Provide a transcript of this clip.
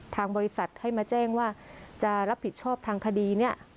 ทางบริษัทให้มาแจ้งว่าจะรับผิดชอบทางคดีเนี่ย